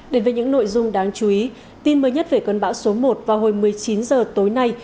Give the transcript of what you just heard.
đến với những nội dung đáng chú ý tin mới nhất về cơn bão số một vào hồi một mươi chín h tối nay